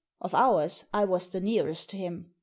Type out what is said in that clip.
Of ours, I was the nearest to him.